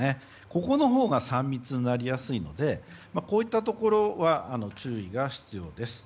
ここのほうが３密になりやすいのでこういったところは注意が必要です。